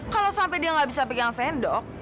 kalau sampai dia nggak bisa pegang sendok